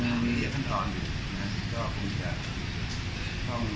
ว่าในวิธีการสมมุติก็จะแตกต่างกัน